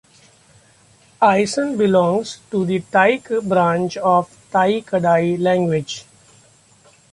Isan belongs to the Tai branch of the Tai-Kadai languages.